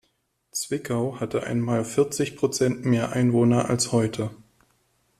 Zwickau hatte einmal vierzig Prozent mehr Einwohner als heute.